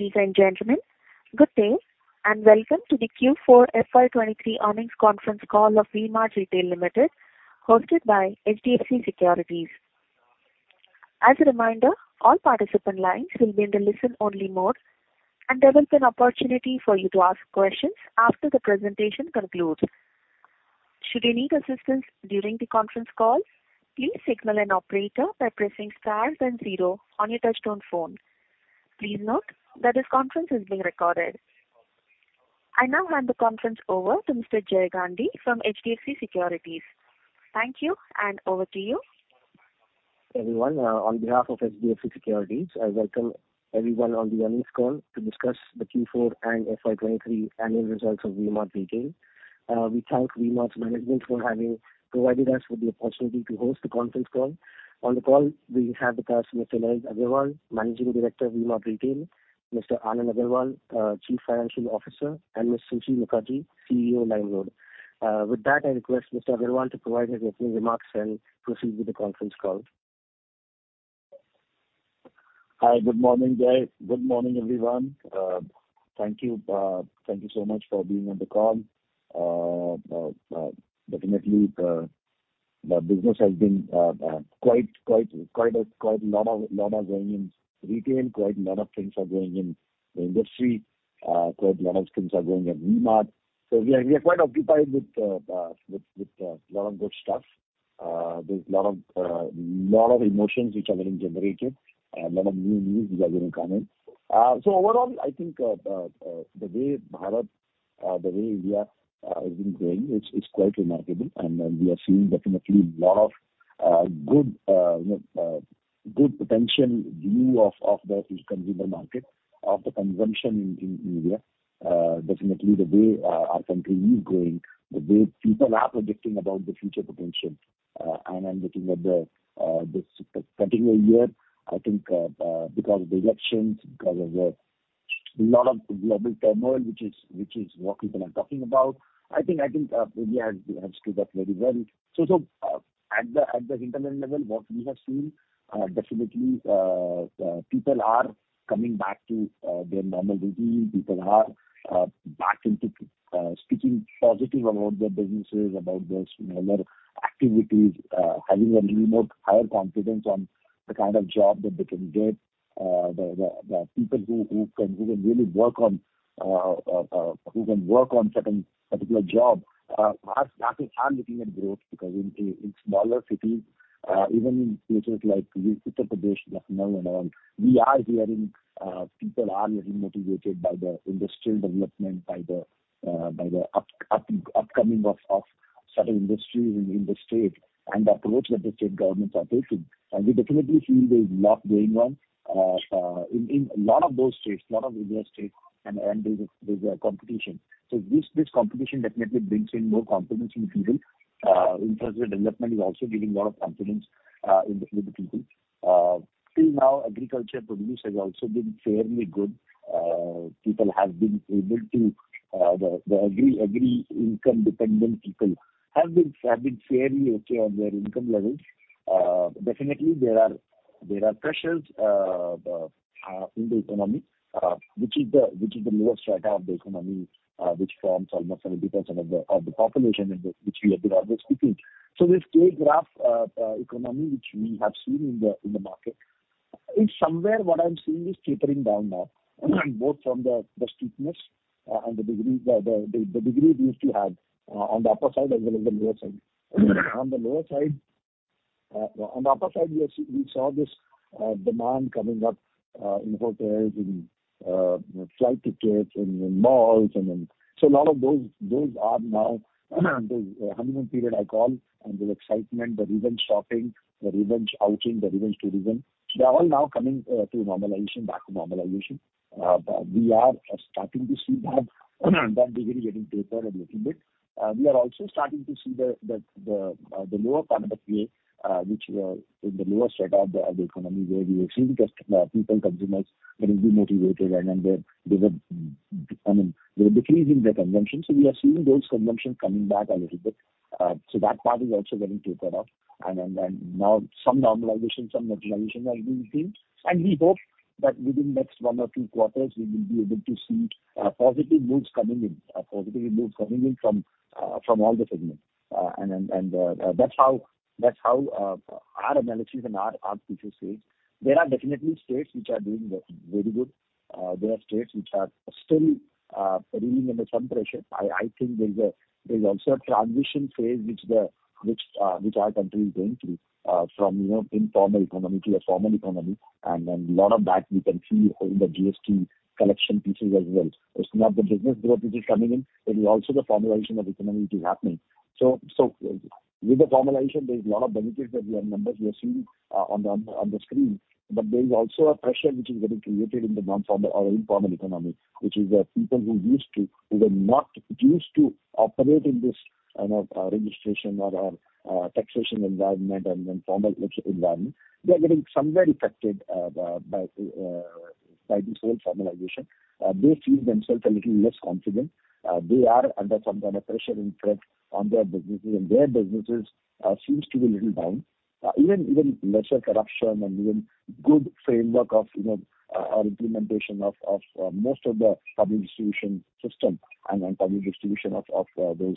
Ladies and gentlemen, good day, and welcome to the Q4 FY 2023 earnings conference call of V-Mart Retail Limited, hosted by HDFC Securities. As a reminder, all participant lines will be in the listen-only mode, and there will be an opportunity for you to ask questions after the presentation concludes. Should you need assistance during the conference call, please signal an operator by pressing star then zero on your touch-tone phone. Please note that this conference is being recorded. I now hand the conference over to Mr. Jay Gandhi from HDFC Securities. Thank you, and over to you. Everyone, on behalf of HDFC Securities, I welcome everyone on the earnings call to discuss the Q4 and FY 2023 annual results of V-Mart Retail. We thank V-Mart's management for having provided us with the opportunity to host the conference call. On the call we have with us Mr. Lalit Agarwal, Managing Director of V-Mart Retail, Mr. Anand Agarwal, Chief Financial Officer, and Ms. Suchi Mukherjee, CEO LimeRoad. With that, I request Mr. Agarwal to provide his opening remarks and proceed with the conference call. Hi, good morning, Jay. Good morning, everyone. Thank you. Thank you so much for being on the call. definitely the business has been quite a lot of going in retail. Quite a lot of things are going in the industry. Quite a lot of things are going at V-Mart. We are quite occupied with lot of good stuff. There's lot of emotions which are being generated and lot of new news which are going to come in. Overall I think the way Bharat, the way India has been growing is quite remarkable. We are seeing definitely lot of good, you know, good potential view of the future consumer market, of the consumption in India. Definitely the way our country is growing, the way people are projecting about the future potential, and looking at this particular year, I think, because of the elections, because of the lot of global turmoil which is what people are talking about, I think India has stood up very well. At the [hinterland] level, what we have seen, definitely, people are coming back to their normal routine. People are back into speaking positive about their businesses, about their smaller activities, having a little more higher confidence on the kind of job that they can get. The people who can really work on certain particular job are looking at growth because in smaller cities, even in places like Uttar Pradesh, Lucknow and all, we are hearing people are getting motivated by the industrial development, by the upcoming of certain industries in the state and the approach that the state governments are taking. We definitely feel there's lot going on in a lot of those states, lot of India states and there's a competition. This competition definitely brings in more confidence in people. Infrastructure development is also giving lot of confidence to the people. Till now agriculture produce has also been fairly good. People have been able to the— every income dependent people have been fairly okay on their income levels. Definitely there are pressures in the economy, which is the lower strata of the economy, which forms almost 70% of the population and the, which we have been always speaking. This K graph economy which we have seen in the market is somewhere what I'm seeing is tapering down now, both from the steepness and the degree it used to have on the upper side as well as the lower side. On the lower side, on the upper side, we saw this demand coming up in hotels, in flight tickets, in malls and in... A lot of those are now, the honeymoon period I call, and the excitement, the revenge shopping, the revenge outing, the revenge tourism, they're all now coming to normalization, back to normalization. We are starting to see that degree getting tapered a little bit. We are also starting to see the lower part of the K, which in the lower strata of the economy where we were seeing people, consumers getting demotivated and then they're, I mean, they were decreasing their consumption. We are seeing those consumption coming back a little bit. So that part is also getting tapered off. Now some normalization are being seen. We hope that within next one or two quarters we will be able to see positive moods coming in, positive moods coming in from all the segments. That's how, that's how our analysis and our future says. There are definitely states which are doing very good. There are states which are still reeling under some pressure. I think there's also a transition phase which our country is going through, from, you know, informal economy to a formal economy. Then lot of that we can see in the GST collection pieces as well. It's not the business growth which is coming in, it is also the formalization of economy which is happening. With the formalization, there's lot of benefits that we are, numbers we are seeing on the screen. There is also a pressure which is getting created in the non-formal or informal economy, which is the people who were not used to operate in this, you know, registration or taxation environment and formal environment, they are getting somewhere affected by this whole formalization. They feel themselves a little less confident. They are under some kind of pressure and threat on their businesses, and their businesses seems to be a little down. Even lesser corruption and even good framework of, you know, or implementation of most of the public distribution system and public distribution of those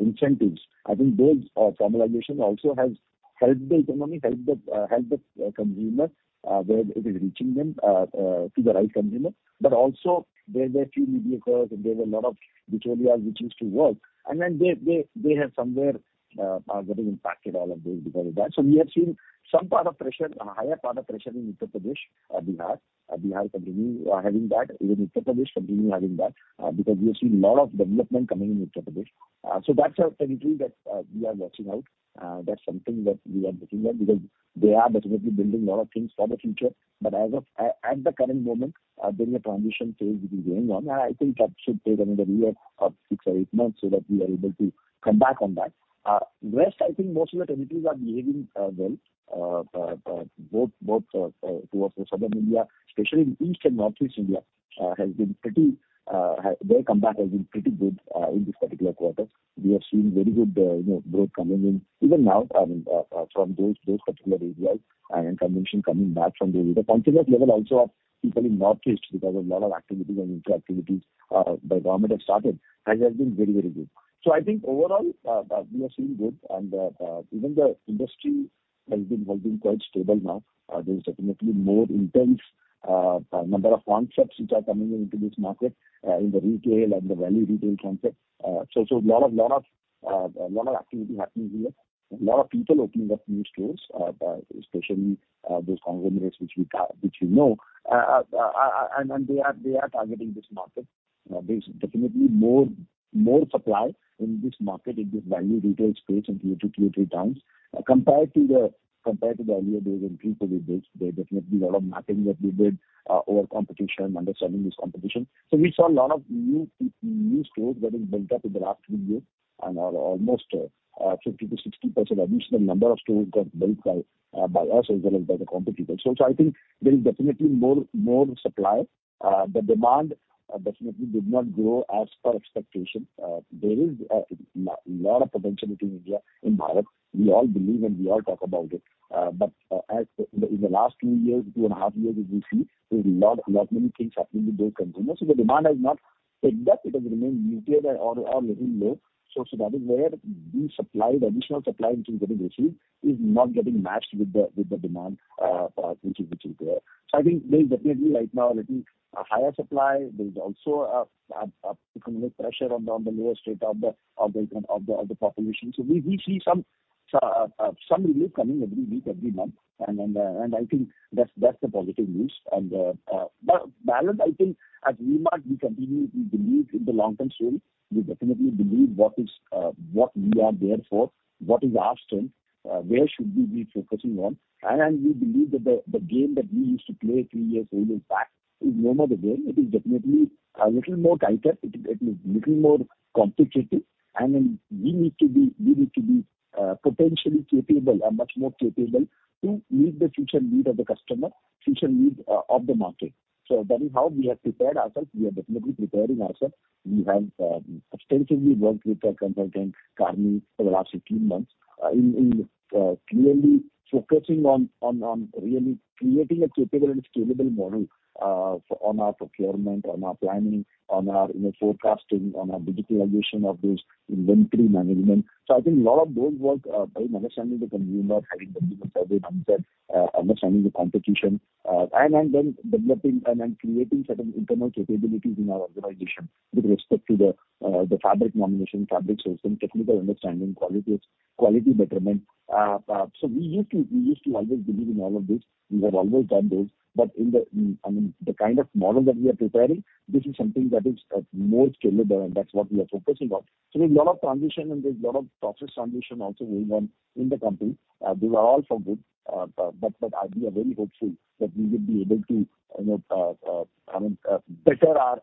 incentives. I think those formalization also has helped the economy, helped the helped the consumer where it is reaching them to the right consumer. But also there are few mediocre, and there were a lot of [victorious] which used to work. Then they have somewhere getting impacted all of those because of that. So we have seen some part of pressure, a higher part of pressure in Uttar Pradesh, Bihar. Bihar continuing having that, even Uttar Pradesh continuing having that because we have seen a lot of development coming in Uttar Pradesh. That's a territory that we are watching out. That's something that we are looking at because they are definitely building a lot of things for the future. At the current moment, there's a transition phase which is going on. I think that should take another year or six or eight months so that we are able to come back on that. Rest, I think most of the territories are behaving well, both towards the Southern India, especially in East and Northeast India, has been pretty. Their comeback has been pretty good in this particular quarter. We have seen very good, you know, growth coming in even now from those particular areas, and consumption coming back from there. The confidence level also of people in Northeast because a lot of activities and interactivities, the government has been very, very good. I think overall, we are feeling good and even the industry has been quite stable now. There is definitely more intense number of concepts which are coming into this market in the retail and the value retail concept. A lot of activity happening here. A lot of people opening up new stores, especially those conglomerates which we know. They are targeting this market. There's definitely more supply in this market, in this value retail space than 2x-3x. Compared to the earlier days and pre-COVID days, there's definitely a lot of mapping that we did over competition and understanding this competition. We saw a lot of new stores that is built up in the last few years and almost 50%-60% additional number of stores got built by us as well as by the competitors. I think there is definitely more supply. The demand definitely did not grow as per expectation. There is lot of potential between India, in Bharat. We all believe and we all talk about it. As the, in the last two years, two and a half years that we've seen, there's a lot many things happening with those consumers. The demand has not picked up. It has remained muted or little low. That is where the supply, the additional supply which is getting received is not getting matched with the demand, which is there. I think there is definitely right now a little higher supply. There is also economic pressure on the lower strata of the population. We see some relief coming every week, every month, and I think that's the positive news. But balance, I think at V-Mart, we continue, we believe in the long-term story. We definitely believe what is what we are there for, what is our strength, where should we be focusing on. We believe that the game that we used to play three years ago is back. It's no more the game. It is definitely a little more tighter. It is little more competitive. We need to be potentially capable and much more capable to meet the future need of the customer, future need of the market. That is how we have prepared ourself. We are definitely preparing ourself. We have extensively worked with a consultant, [Carney], for the last 16 months, clearly focusing on really creating a capable and scalable model for on our procurement, on our planning, on our, you know, forecasting, on our digitalization of this inventory management. I think a lot of those work by understanding the consumer, having the consumer survey done there, understanding the competition, and then developing and creating certain internal capabilities in our organization with respect to the fabric nomination, fabric sourcing, technical understanding, qualities, quality betterment. We used to always believe in all of this. We have always done this. In the, in, I mean, the kind of model that we are preparing, this is something that is more scalable, and that's what we are focusing on. There's a lot of transition, and there's a lot of process transition also going on in the company. These are all for good. We are very hopeful that we will be able to, you know, I mean, better our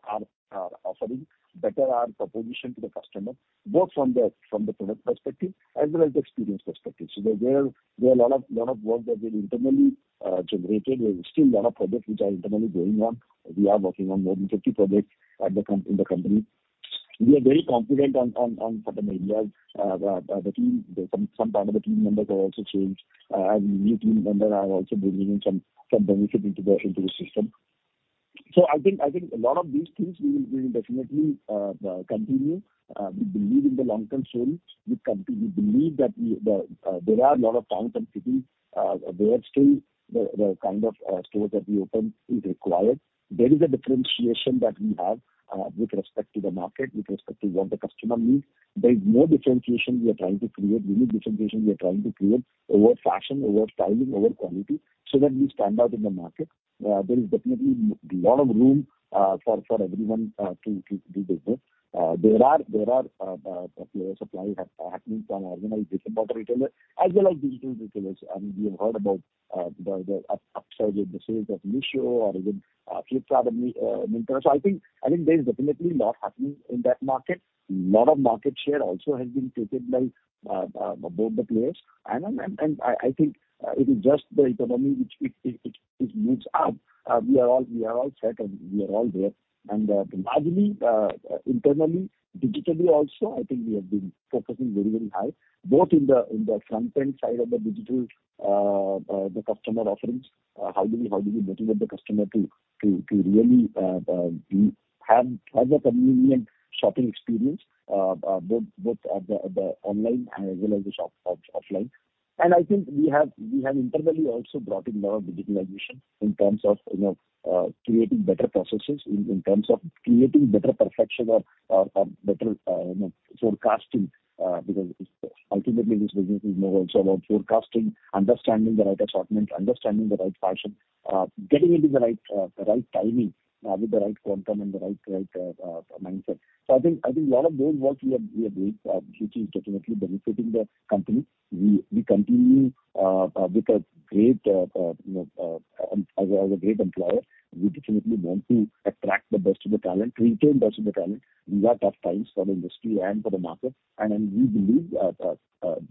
offering, better our proposition to the customer, both from the product perspective as well as the experience perspective. There are a lot of work that we internally generated. There is still a lot of projects which are internally going on. We are working on more than 50 projects in the company. We are very confident on certain areas. The team, some part of the team members have also changed. New team members are also bringing in some benefit into the system. I think a lot of these things we will definitely continue. We believe in the long-term story. We believe that we, there are a lot of towns and cities, where still the kind of store that we open is required. There is a differentiation that we have with respect to the market, with respect to what the customer needs. There is more differentiation we are trying to create. Unique differentiation we are trying to create over fashion, over styling, over quality, so that we stand out in the market. There is definitely lot of room for everyone to do business. There are players, suppliers happening from an organized brick and mortar retailer as well as digital retailers. I mean, we have heard about the upsurge in the sales of Meesho or even Flipkart and Myntra. I think there is definitely lot happening in that market. Lot of market share also has been taken by both the players and I think if it's just the economy which it boots up, we are all set and we are all there. Largely, internally, digitally also, I think we have been focusing very, very high, both in the front-end side of the digital, the customer offerings, how do we motivate the customer to really have a convenient shopping experience, both at the online as well as the shop-of-offline. I think we have internally also brought in lot of digitalization in terms of creating better processes, in terms of creating better perfection or better forecasting, because ultimately this business is more also about forecasting, understanding the right assortment, understanding the right fashion, getting into the right timing, with the right quantum and the right mindset. I think lot of those works we are doing, which is definitely benefiting the company. We continue with a great as a great employer, we definitely want to attract the best of the talent, retain best of the talent in the tough times for the industry and for the market. We believe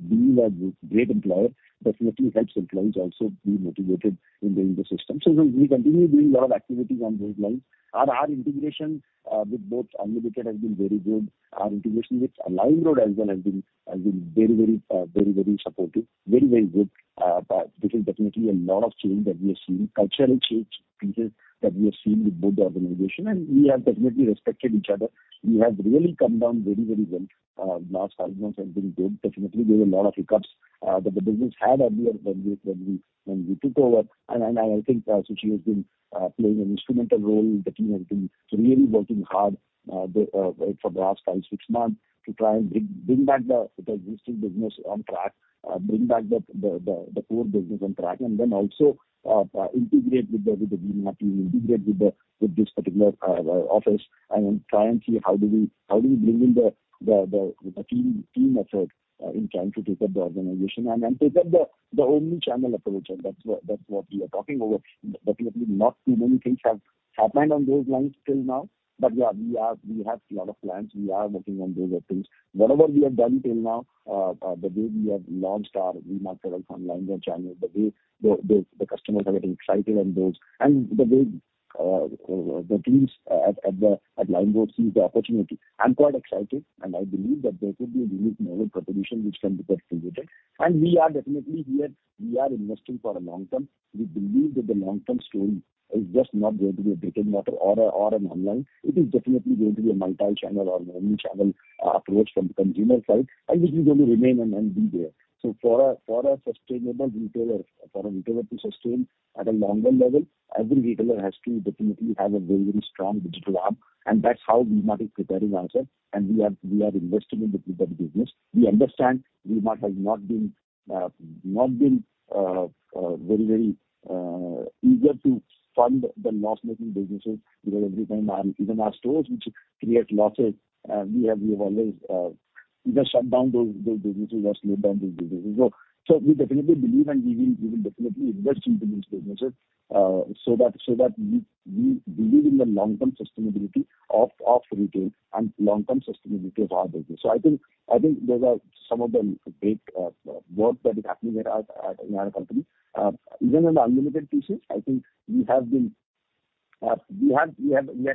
being a great employer definitely helps employees also be motivated in the ecosystem. We continue doing lot of activities on those lines. Our integration with both Unlimited has been very good. Our integration with LimeRoad as well has been very, very supportive, very, very good. This is definitely a lot of change that we are seeing, cultural change pieces that we are seeing with both the organization, and we have definitely respected each other. We have really come down very, very well. Last five months have been good. Definitely, there were a lot of hiccups that the business had earlier when we took over. I think Suchi has been playing an instrumental role. The team has been really working hard for the last five, six months to try and bring back the existing business on track, bring back the core business on track, then also integrate with the V-Mart team, integrate with this particular office and try and see how do we bring in the team effort in trying to take up the organization and take up the omni-channel approach. That's what we are talking about. Definitely not too many things have happened on those lines till now. We have lot of plans. We are working on those things. Whatever we have done till now, the way we have launched our V-Mart products on LimeRoad channel, the way the customers are getting excited. The way the teams at LimeRoad sees the opportunity, I'm quite excited, and I believe that there could be a unique value proposition which can be contributed. We are definitely here. We are investing for the long term. We believe that the long-term story is just not going to be a brick and mortar or a, or an online. It is definitely going to be a multi-channel or an omni-channel approach from consumer side, and this is going to remain and be there. For a sustainable retailer, for a retailer to sustain at a longer level, every retailer has to definitely have a very strong digital arm. That's how V-Mart is preparing ourselves, and we are investing into that business. We understand V-Mart has not been very eager to fund the loss-making businesses because every time our, even our stores which create losses, we have always either shut down those businesses or slowed down those businesses. We definitely believe, and we will definitely invest into these businesses so that we believe in the long-term sustainability of retail and long-term sustainability of our business. I think those are some of the big work that is happening at our company. Even on the Unlimited pieces, I think we have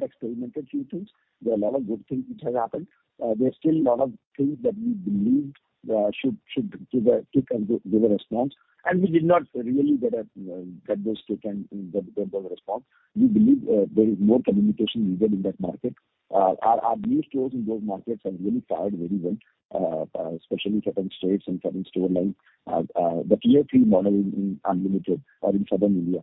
experimented few things. There are lot of good things which has happened. There are still lot of things that we believed should take and give a response, and we did not really get a get those taken and get those response. We believe there is more communication needed in that market. Our new stores in those markets have really fared very well, especially certain states and certain store lines. The Tier 3 model in Unlimited or in Southern India,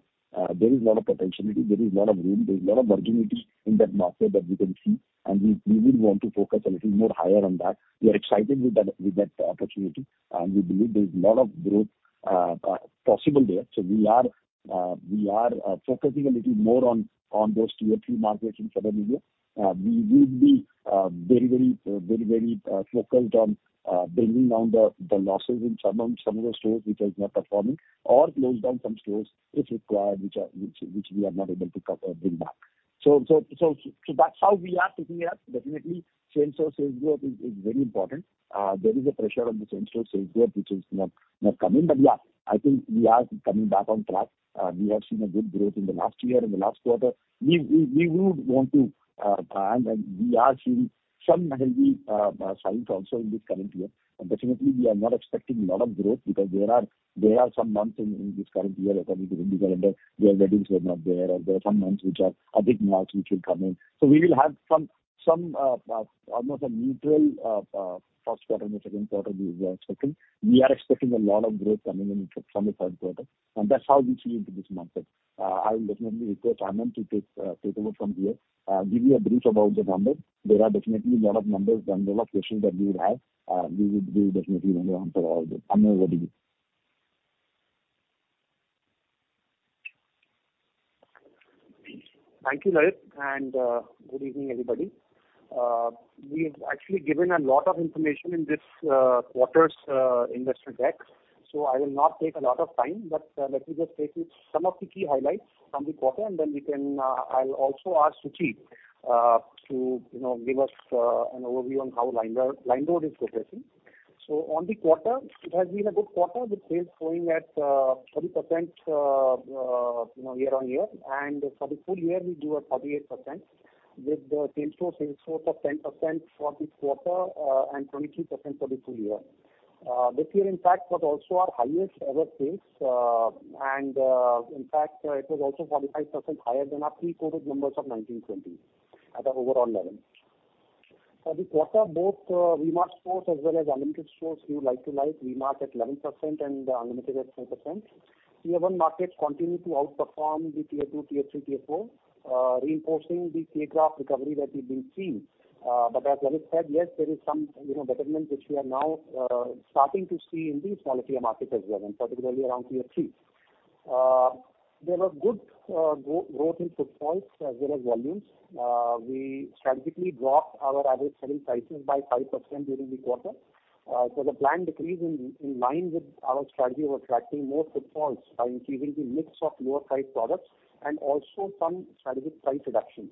there is lot of potentiality. There is lot of room. There is lot of virginity in that market that we can see, and we would want to focus a little more higher on that. We are excited with that opportunity, and we believe there is lot of growth possible there. We are focusing a little more on those Tier 3 markets in Southern India. We will be very, very focused on bringing down the losses in some of the stores which is not performing or close down some stores if required which we are not able to cover, bring back. That's how we are taking it up. Definitely same-store sales growth is very important. There is a pressure on the same-store sales growth which is not coming. Yeah, I think we are coming back on track. We have seen a good growth in the last year, in the last quarter. We would want to, and we are seeing some healthy signs also in this current year. Definitely we are not expecting a lot of growth because there are some months in this current year according to the Hindu calendar, where weddings were not there, or there are some months which are a big march which will come in. We will have some almost a neutral first quarter and the second quarter we are expecting. We are expecting a lot of growth coming in from the third quarter, and that's how we see into this month ahead. I will definitely request Anand to take over from here, give you a brief about the numbers. There are definitely a lot of numbers and there are questions that you would have. We will definitely want to answer all of them. Anand, over to you. Thank you, Lalit, and good evening, everybody. We've actually given a lot of information in this quarter's investor deck, so I will not take a lot of time. Let me just take you some of the key highlights from the quarter, and then we can, I'll also ask Suchi, to, you know, give us an overview on how LimeRoad is progressing. On the quarter, it has been a good quarter with sales growing at 30%, you know, year-on-year. For the full year we grew at 38% with the same-store sales growth of 10% for this quarter, and 22% for the full year. This year in fact was also our highest ever sales, in fact, it was also 45% higher than our pre-COVID numbers of 2019-2020 at an overall level. For the quarter, both V-Mart stores as well as Unlimited stores grew like-to-like, V-Mart at 11% and Unlimited at 10%. Tier 1 markets continued to outperform the Tier 2, Tier 3, Tier 4, reinforcing the K-graph recovery that we've been seeing. But as Lalit said, yes, there is some, you know, betterment which we are now starting to see in the smaller Tier markets as well, and particularly around Tier 3. There was good growth in footfalls as well as volumes. We strategically dropped our average selling prices by 5% during the quarter. The planned decrease in line with our strategy of attracting more footfalls by increasing the mix of lower price products and also some strategic price reductions.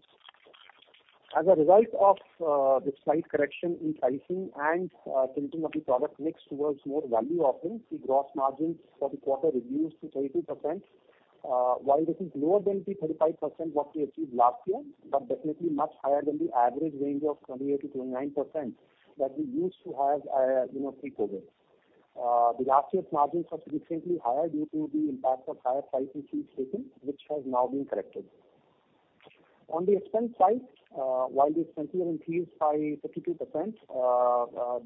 As a result of the slight correction in pricing and tilting of the product mix towards more value offerings, the gross margins for the quarter reduced to 32%. While this is lower than the 35% what we achieved last year, but definitely much higher than the average range of 28%-29% that we used to have, you know, pre-COVID. The last year's margins were significantly higher due to the impact of higher price we see taken, which has now been corrected. On the expense side, while the expenses were increased by 52%,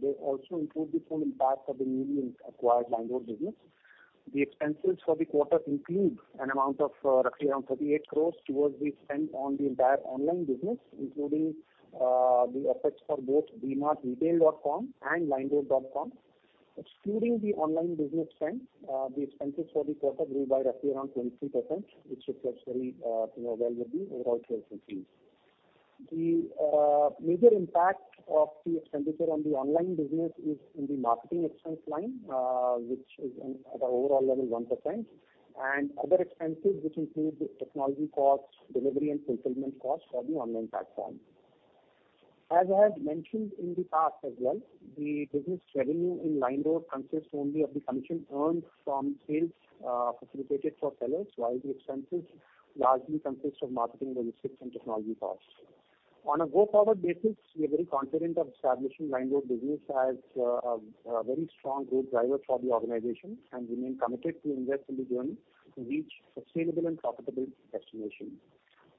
they also include the full impact of the newly acquired LimeRoad business. The expenses for the quarter include an amount of roughly around 38 crores towards the spend on the entire online business, including the effects for both vmartretail.com and limeroad.com. Excluding the online business spend, the expenses for the quarter grew by roughly around 23%, which reflects very, you know, well with the overall sales increase. The major impact of the expenditure on the online business is in the marketing expense line, which is an at a overall level 1%, and other expenses which include the technology costs, delivery and fulfillment costs for the online platform. As I had mentioned in the past as well, the business revenue in LimeRoad consists only of the commission earned from sales facilitated for sellers, while the expenses largely consist of marketing, logistics and technology costs. On a go-forward basis, we are very confident of establishing LimeRoad business as a very strong growth driver for the organization. We remain committed to invest in the journey to reach sustainable and profitable destination.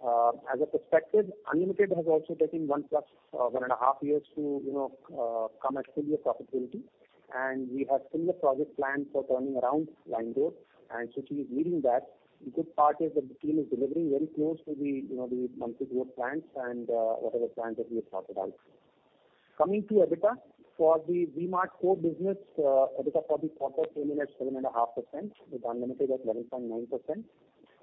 As a perspective, Unlimited has also taken one and a half years to, you know, come at similar profitability. We have similar project plans for turning around LimeRoad, and Suchi is leading that. The good part is that the team is delivering very close to the, you know, the monthly growth plans and whatever plans that we have talked about. Coming to EBITDA for the V-Mart core business, EBITDA for the quarter came in at 7.5%, with Unlimited at 11.9%.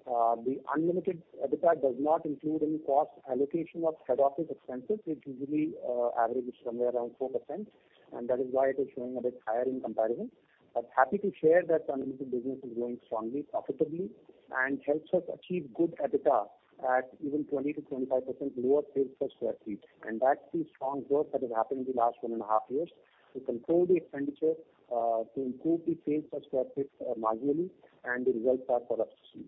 The Unlimited EBITDA does not include any cost allocation of head office expenses, which usually averages somewhere around 4%, and that is why it is showing a bit higher in comparison. Happy to share that Unlimited business is growing strongly, profitably, and helps us achieve good EBITDA at even 20%-25% lower sales per sq ft. That's the strong growth that has happened in the last one and a half years to control the expenditure, to improve the sales per sq ft marginally, and the results are for us to see.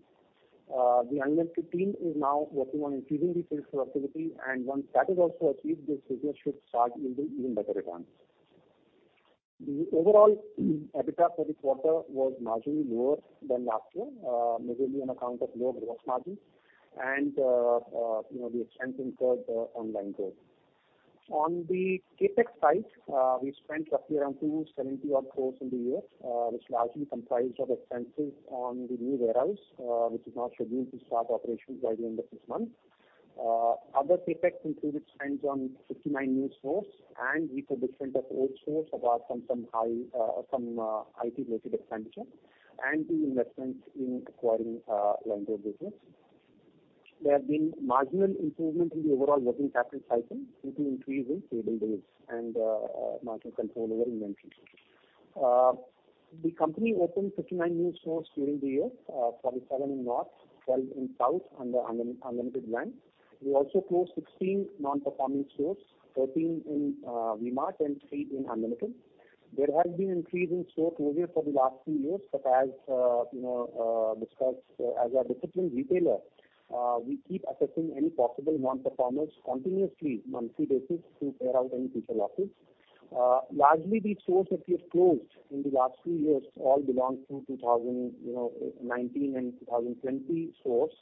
The Unlimited team is now working on increasing the sales productivity and once that is also achieved, the figures should start yielding even better returns. The overall EBITDA for this quarter was marginally lower than last year, majorly on account of lower gross margins and, you know, the expense incurred on LimeRoad. On the CapEx side, we spent roughly around 270-odd crores in the year, which largely comprised of expenses on the new warehouse, which is now scheduled to start operations by the end of this month. Other CapEx included spends on 59 new stores and refurbishment of old stores apart from some high, some, IT-related expenditure and the investments in acquiring, LimeRoad business. There have been marginal improvement in the overall working capital cycle due to increase in payable days and, marginal control over inventory. The company opened 59 new stores during the year, 47 in north, 12 in south under Unlimited brand. We also closed 16 non-performing stores, 13 in V-Mart and 3 in Unlimited. There has been increase in store closure for the last few years, but as, you know, discussed, as a disciplined retailer, we keep assessing any possible non-performance continuously monthly basis to clear out any future losses. Largely the stores that we have closed in the last few years all belong to 2019, you know, and 2020 stores,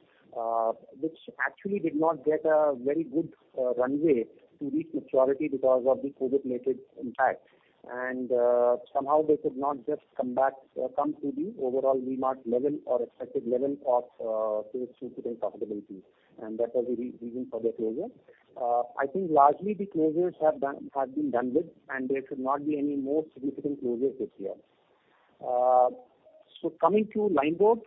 which actually did not get a very good runway to reach maturity because of the COVID-related impact. Somehow they could not just come back or come to the overall V-Mart level or expected level of to achieve profitability, and that was the reason for their closure. I think largely the closures have been done with, and there should not be any more significant closures this year. Coming to LimeRoad.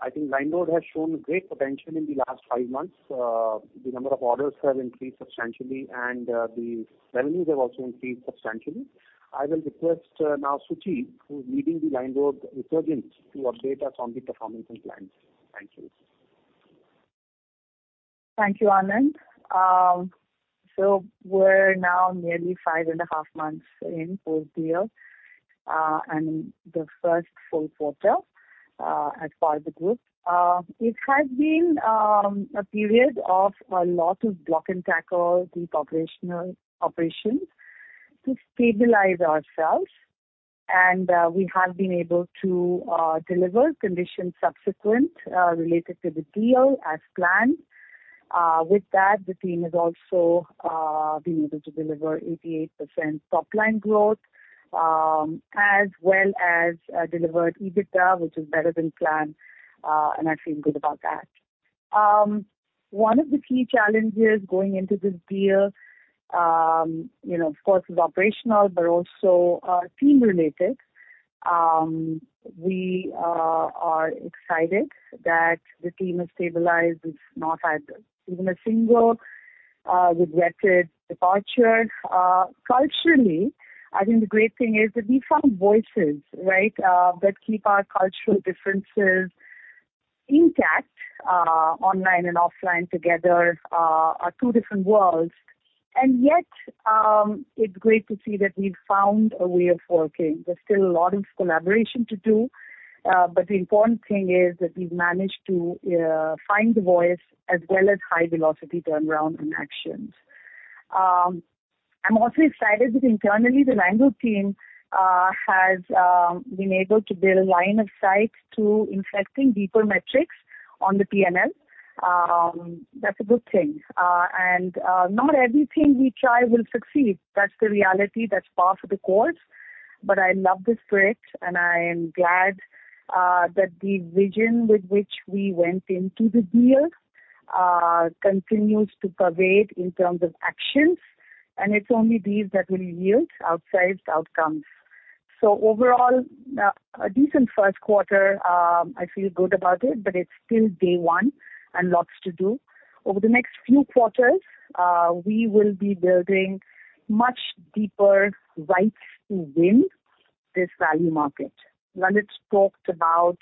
I think LimeRoad has shown great potential in the last five months. The number of orders have increased substantially and the revenues have also increased substantially. I will request now Suchi, who's leading the LimeRoad resurgence, to update us on the performance and plans. Thank you. Thank you, Anand. We're now nearly five and a half months in post-year, and the first full quarter as part of the group. It has been a period of a lot of block and tackle, deep operational operations to stabilize ourselves. We have been able to deliver conditions subsequent related to the deal as planned. With that, the team has also been able to deliver 88% top line growth, as well as delivered EBITDA, which is better than planned, and I feel good about that. One of the key challenges going into this deal, you know, of course is operational, but also team related. We are excited that the team is stabilized. It's not had even a single regretted departure. Culturally, I think the great thing is that we found voices, right? that keep our cultural differences intact, online and offline together, are two different worlds. Yet, it's great to see that we've found a way of working. There's still a lot of collaboration to do, but the important thing is that we've managed to find the voice as well as high velocity turnaround in actions. I'm also excited that internally the LimeRoad team has been able to build line of sight to infecting deeper metrics on the P&L. That's a good thing. Not everything we try will succeed. That's the reality. That's par for the course. I love the spirit, and I am glad that the vision with which we went into the deal continues to pervade in terms of actions, and it's only these that will yield outsized outcomes. Overall, a decent first quarter, I feel good about it, but it's still day one and lots to do. Over the next few quarters, we will be building much deeper rights to win this value market. Lalit talked about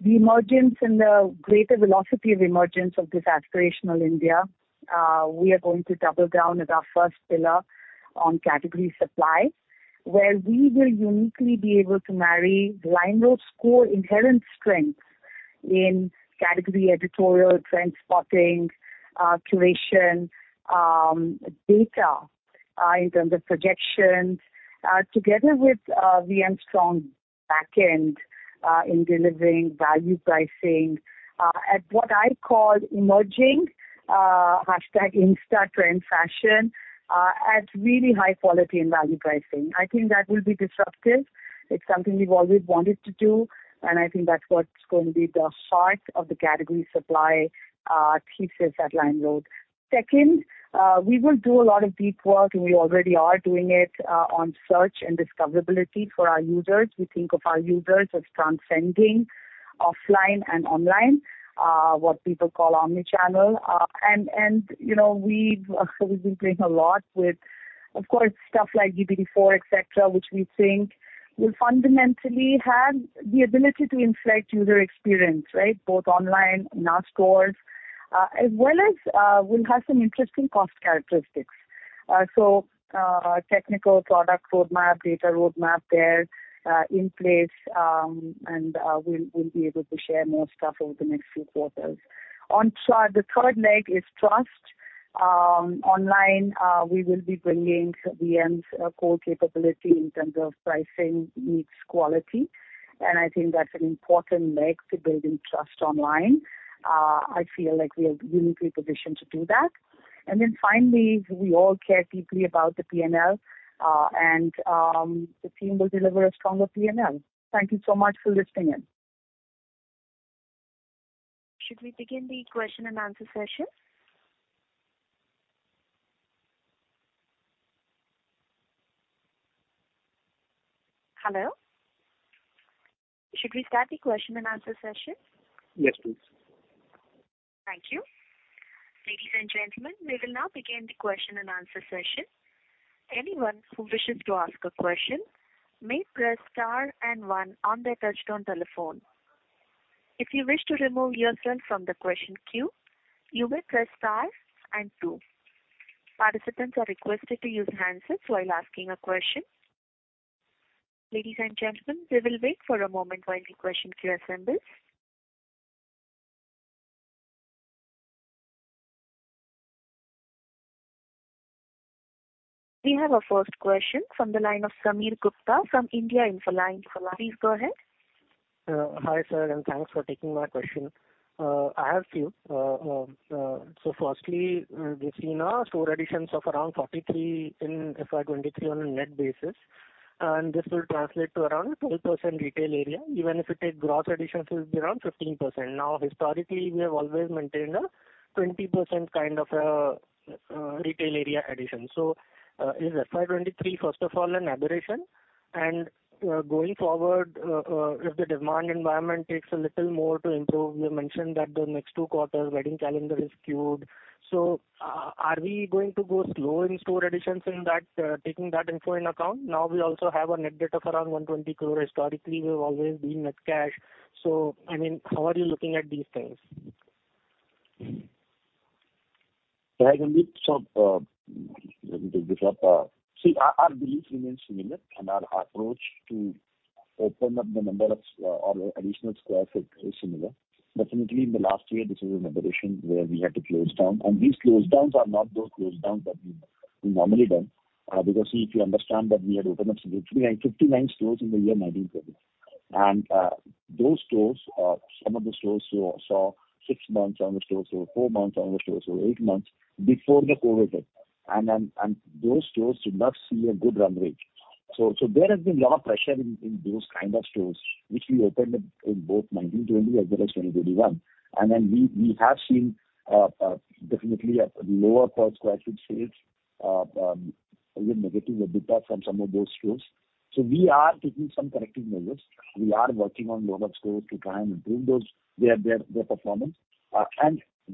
the emergence and the greater velocity of emergence of this aspirational India. We are going to double down as our first pillar on category supply, where we will uniquely be able to marry LimeRoad's core inherent strengths in category editorial, trend spotting, curation, data, in terms of projections, together with VM's strong backend, in delivering value pricing, at what I call emerging hashtag Insta trend fashion, at really high quality and value pricing. I think that will be disruptive. It's something we've always wanted to do, and I think that's what's going to be the heart of the category supply thesis at LimeRoad. Second, we will do a lot of deep work, and we already are doing it, on search and discoverability for our users. We think of our users as transcending offline and online, what people call omni-channel. You know, we've been playing a lot with, of course, stuff like GPT-4, et cetera, which we think will fundamentally have the ability to inflect user experience, right? Both online, in our stores, as well as will have some interesting cost characteristics. Technical product roadmap, data roadmap there, in place, and we'll be able to share more stuff over the next few quarters. The third leg is trust. Online, we will be bringing VM's core capability in terms of pricing, mix, quality, and I think that's an important leg to building trust online. I feel like we are uniquely positioned to do that. Finally, we all care deeply about the P&L, and the team will deliver a stronger P&L. Thank you so much for listening in. Should we begin the question and answer session? Hello? Should we start the question and answer session? Yes, please. Thank you. Ladies and gentlemen, we will now begin the question and answer session. Anyone who wishes to ask a question may press star and one on their touch-tone telephone. If you wish to remove yourself from the question queue, you may press star and two. Participants are requested to use handsets while asking a question. Ladies and gentlemen, we will wait for a moment while the question queue assembles. We have our first question from the line of Sameer Gupta from India Infoline. Please go ahead. Hi, sir, and thanks for taking my question. I have few. Firstly, we've seen store additions of around 43 in FY 2023 on a net basis, and this will translate to around 12% retail area. Even if you take gross additions, it will be around 15%. Historically, we have always maintained a 20% kind of retail area addition. Is FY 2023, first of all, an aberration? Going forward, if the demand environment takes a little more to improve, you mentioned that the next two quarters wedding calendar is skewed. Are we going to go slow in store additions in that, taking that info in account? We also have a net debt of around 120 crore. Historically, we've always been at cash. I mean, how are you looking at these things? I can give some, let me pick up. See, our belief remains similar, and our approach to open up the number of, or additional square feet is similar. Definitely in the last year, this is an aberration where we had to close down. These close downs are not those close downs that we've normally done. Because if you understand that we had opened up literally like 59 stores in the year 2019, 2020. Those stores, some of the stores saw six months, some of the stores saw four months, some of the stores saw eight months before the COVID hit. Those stores did not see a good run rate. There has been lot of pressure in those kind of stores which we opened up in both 2019, 2020 as well as 2021. We have seen definitely a lower per square foot sales, even negative EBITDA from some of those stores. We are taking some corrective measures. We are working on lot of stores to try and improve those, their performance.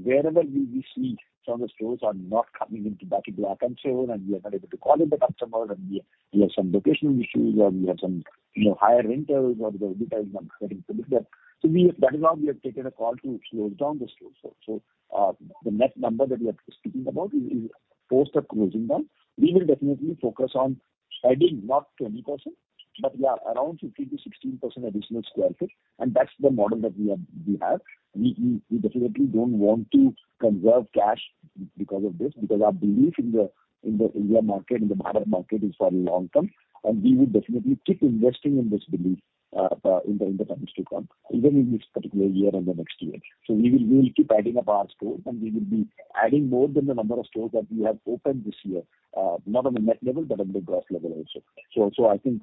Wherever we see some of the stores are not coming into our control, and we are not able to call in the customer, and we have some locational issues or we have some, you know, higher rentals or the EBITDA is not getting committed there. That is why we have taken a call to close down the stores. The net number that we are speaking about is post the closing down. We will definitely focus on adding not 20%, but yeah, around 15%-16% additional square feet, and that's the model that we have. We definitely don't want to conserve cash because of this, because our belief in the India market, in the Bharat market is for long term, and we will definitely keep investing in this belief in the times to come, even in this particular year and the next year. We will keep adding up our stores, and we will be adding more than the number of stores that we have opened this year, not on the net level, but on the gross level also. I think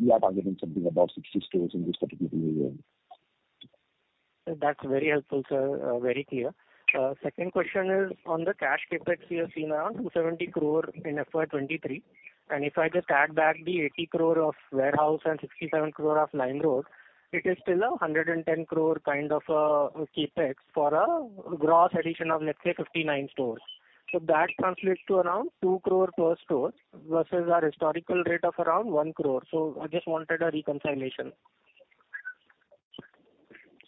we are targeting something above 60 stores in this particular year. That's very helpful, sir. very clear. Second question is on the cash CapEx. We have seen around 270 crore in FY 2023. If I just add back the 80 crore of warehouse and 67 crore of LimeRoad, it is still 110 crore kind of CapEx for a gross addition of, let's say, 59 stores. That translates to around 2 crore per store versus our historical rate of around 1 crore. I just wanted a reconciliation.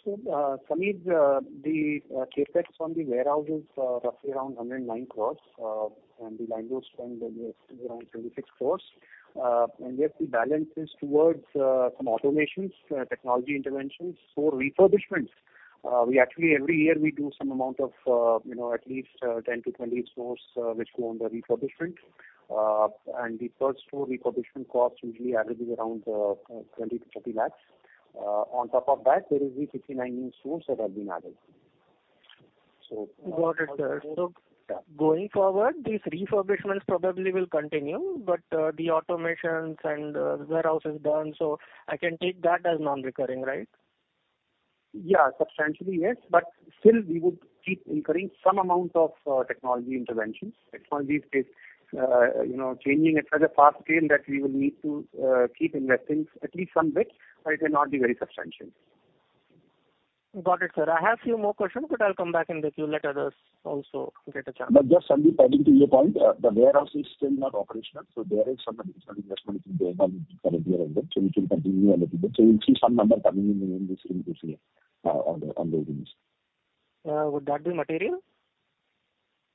Sameer, the CapEx on the warehouse is roughly around 109 crores. The LimeRoad spend will be around 36 crores. Yes, the balance is towards some automations, technology interventions. Store refurbishments, we actually every year we do some amount of, you know, at least 10-20 stores which go under refurbishment. The per store refurbishment cost usually averages around 20 lakhs- 30 lakhs. On top of that, there is the 59 new stores that have been added. Got it, sir. Going forward, these refurbishments probably will continue. The automations and the warehouse is done, I can take that as non-recurring, right? Yeah. Substantially, yes. Still we would keep incurring some amount of technology interventions. Technology is, you know, changing at such a fast scale that we will need to keep investing at least some bit, but it may not be very substantial. Got it, sir. I have few more questions, but I'll come back in the queue, let others also get a chance. Just, Sameer, adding to your point, the warehouse is still not operational. There is some additional investment in there for the current year ended. Which will continue a little bit. You'll see some number coming in this, in this year, on the, on the earnings. Would that be material?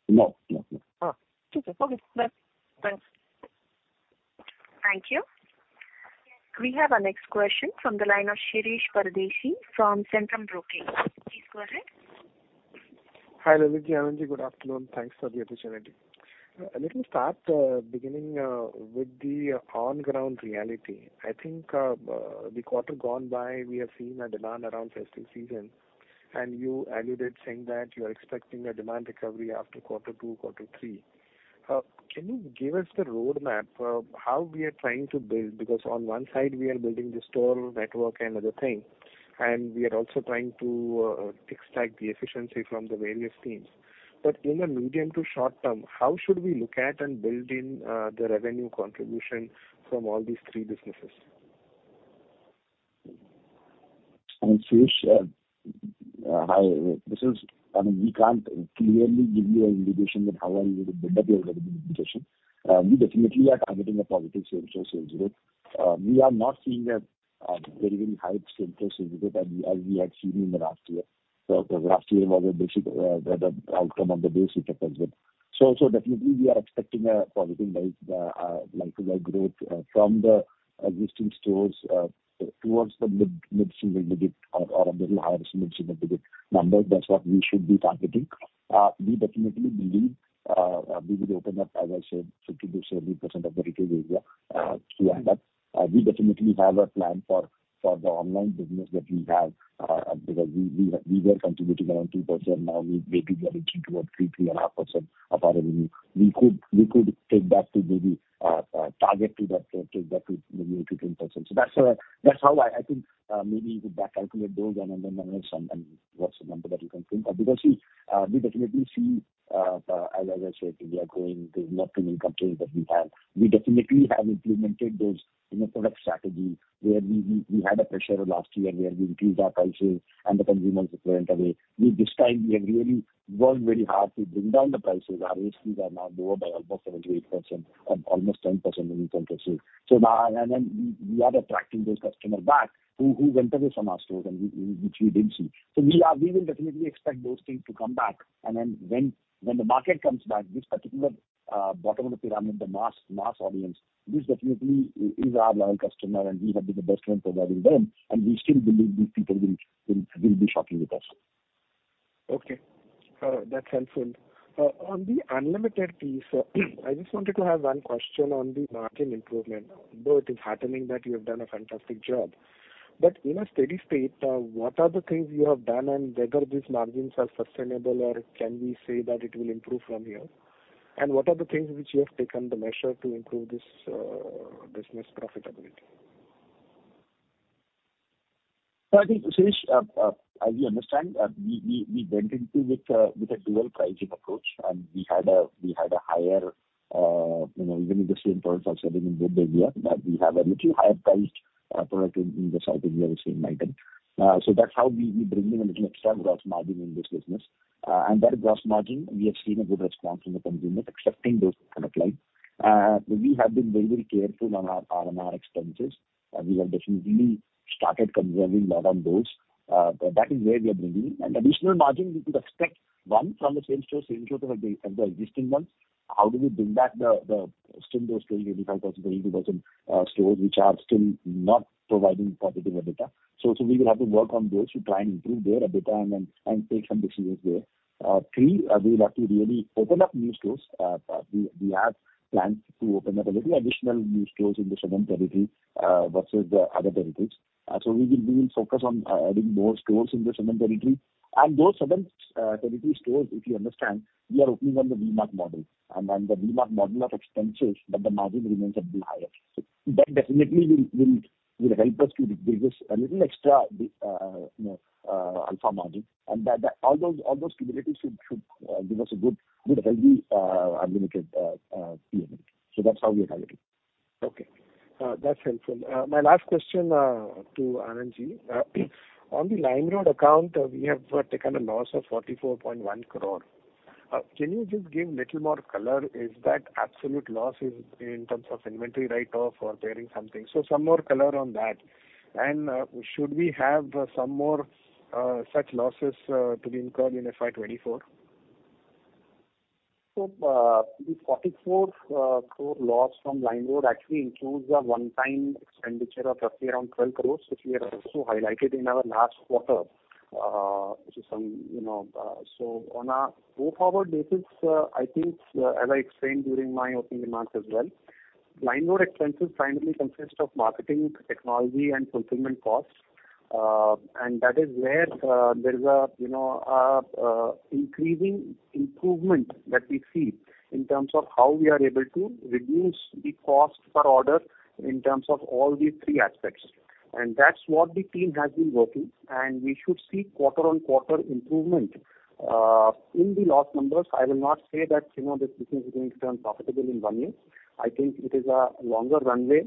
No. No, no. Oh, okay. Okay. Bye. Thanks. Thank you. We have our next question from the line of Shirish Pardeshi from Centrum Broking. Please go ahead. Hi, Lalit ji, Anand ji. Good afternoon. Thanks for the opportunity. Let me start beginning with the on-ground reality. I think the quarter gone by, we have seen a demand around festive season. You alluded saying that you are expecting a demand recovery after quarter two, quarter three. Can you give us the roadmap for how we are trying to build? On one side we are building the store network and other thing, and we are also trying to extract the efficiency from the various teams. In the medium to short term, how should we look at and build in the revenue contribution from all these three businesses? Shirish, hi. I mean, we can't clearly give you an indication that how are we going to build up your available indication. We definitely are targeting a positive same-store sales growth. We are not seeing a very, very high same-store sales growth as we had seen in the last year. The last year was a basic, the outcome of the base effect as well. Definitely we are expecting a positive like-to-like growth from the existing stores towards the mid-single digit or a little higher single mid-single digit number. That's what we should be targeting. We definitely believe we will open up, as I said, 50%, 70% of the retail area to end up. We definitely have a plan for the online business that we have, because we were contributing around 2%. Now we may be getting towards 3%, 3.5% of our revenue. We could take that to maybe target 8%-10%. That's how I think maybe you could back calculate those and then analyze some and what's the number that you can think of. We definitely see, as I said, we are growing. There's not many competitors that we have. We definitely have implemented those, you know, product strategy where we had a pressure last year where we increased our prices and the consumers went away. This time we have really worked very hard to bring down the prices. Our ASPs are now lower by almost 7%-8%, almost 10% in terms of sales. We are attracting those customers back who went away from our stores and we, which we didn't see. We will definitely expect those things to come back. When the market comes back, this particular bottom of the pyramid, the mass audience, this definitely is our loyal customer and we have been the best brand providing them, and we still believe these people will be shopping with us. Okay. That's helpful. On the Unlimited piece, I just wanted to have one question on the margin improvement. Though it is happening that you have done a fantastic job, but in a steady state, what are the things you have done and whether these margins are sustainable or can we say that it will improve from here? What are the things which you have taken the measure to improve this business profitability? I think, Shirish, as you understand, we went into with a dual pricing approach, and we had a higher, you know, even if the same products are selling in both the area, but we have a little higher priced product in the south India, the same item. That's how we bring in a little extra gross margin in this business. That gross margin, we have seen a good response from the consumers accepting those product line. We have been very careful on our RMR expenses. We have definitely started controlling more on those. That is where we are bringing in. Additional margin we could expect, one, from the same-store sales growth of the existing ones. How do we bring back the same-store, 85%, 80%, stores which are still not providing positive EBITDA? We will have to work on those to try and improve their EBITDA and then, and take some decisions there. Three, we'll have to really open up new stores. We have plans to open up a little additional new stores in the southern territory, versus the other territories. We will focus on adding more stores in the southern territory. Those southern territory stores, if you understand, we are opening on the V-Mart model. The V-Mart model are expensive, but the margin remains a bit higher. That definitely will help us to give this a little extra, you know, alpha margin. That... all those capabilities should give us a good healthy Unlimited PM. That's how we are targeting. Okay. That's helpful. My last question to Anand Ji. On the LimeRoad account, we have taken a loss of 44.1 crore. Can you just give little more color? Is that absolute loss in terms of inventory write-off or carrying something? Some more color on that. Should we have some more such losses to be incurred in FY 2024? The 44 crore loss from LimeRoad actually includes a one-time expenditure of roughly around 12 crores, which we had also highlighted in our last quarter. Which is some, you know. On a go-forward basis, I think, as I explained during my opening remarks as well, LimeRoad expenses primarily consist of marketing, technology, and fulfillment costs. That is where there is a, you know, increasing improvement that we see in terms of how we are able to reduce the cost per order in terms of all these three aspects. That's what the team has been working, and we should see quarter-on-quarter improvement. In the loss numbers, I will not say that, you know, this business is going to turn profitable in one year. I think it is a longer runway.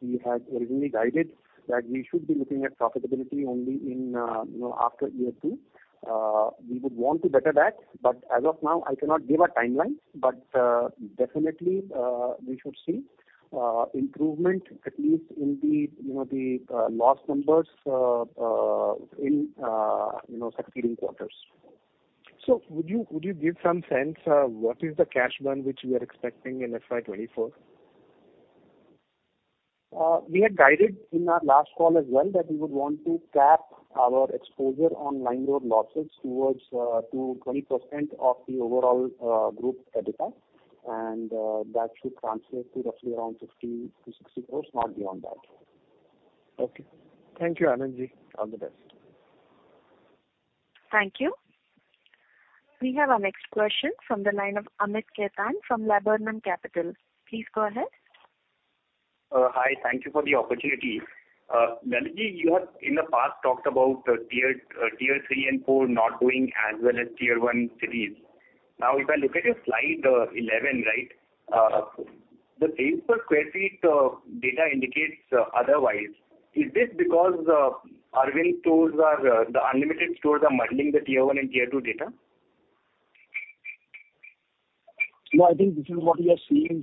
We had originally guided that we should be looking at profitability only in, you know, after year two. We would want to better that, as of now, I cannot give a timeline. Definitely, we should see improvement at least in the, you know, the loss numbers, in, you know, succeeding quarters. Would you give some sense, what is the cash burn which we are expecting in FY 2024? We had guided in our last call as well that we would want to cap our exposure on LimeRoad losses towards to 20% of the overall group EBITDA. That should translate to roughly around 50 crores-60 crores, not beyond that. Okay. Thank you, Anand Ji. All the best. Thank you. We have our next question from the line of Amit Khetan from Laburnum Capital. Please go ahead. Hi. Thank you for the opportunity. Anand Ji, you have in the past talked about Tier 3 and 4 not doing as well as Tier 1 cities. If I look at your slide, 11, right? The sales per square feet data indicates otherwise. Is this because the Arvind stores are, the Unlimited stores are muddling the Tier 1 and Tier 2 data? I think this is what we are seeing